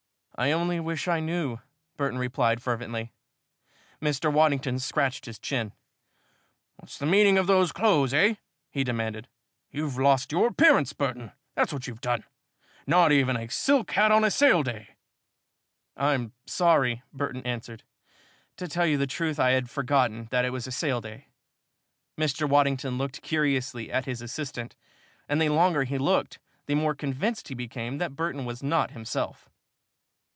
"I only wish I knew," Burton replied, fervently. Mr. Waddingon scratched his chin. "What's the meaning of those clothes, eh?" he demanded. "You've lost your appearance, Burton that's what you've done. Not even a silk hat on a sale day!" "I'm sorry," Burton answered. "To tell you the truth, I had forgotten that it was a sale day." Mr. Waddington looked curiously at his assistant, and the longer he looked, the more convinced he became that Burton was not himself.